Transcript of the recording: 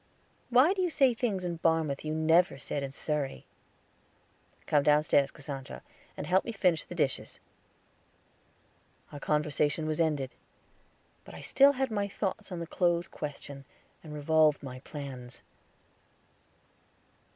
Why do you say things in Barmouth you never said in Surrey?" "Come downstairs, Cassandra, and help me finish the dishes." Our conversation was ended; but I still had my thoughts on the clothes question, and revolved my plans.